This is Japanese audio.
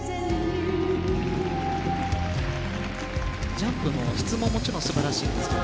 ジャンプの質ももちろん素晴らしいんですけど